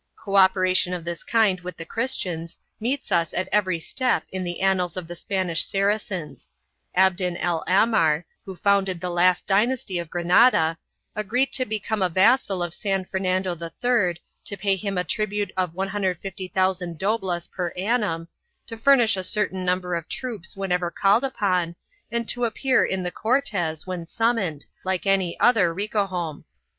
1 Co operation of this kind with the Christians meets us at every step in the annals of the Spanish Saracens. Aben al Ahmar, who founded the last dynasty of Granada, agreed to become a vassal of San Fernando III, to pay him a tribute of 150,000 doblas per annum, to furnish a certain num ber of troops whenever called upon, and to appear in the Cortes when summoned, like any other ricohome.